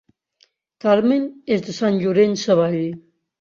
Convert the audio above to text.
Carmen és de Sant Llorenç Savall